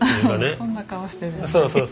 そんな顔してるよね。